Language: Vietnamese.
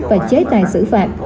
và chế tài xử phạt